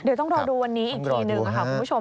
เดี๋ยวต้องรอดูวันนี้อีกทีหนึ่งค่ะคุณผู้ชม